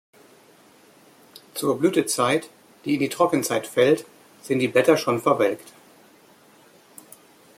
Zur Blütezeit, die in die Trockenzeit fällt, sind die Blätter schon verwelkt.